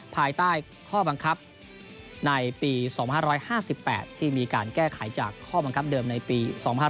ภายใต้ข้อบังคับในปี๒๕๕๘ที่มีการแก้ไขจากข้อบังคับเดิมในปี๒๕๕๙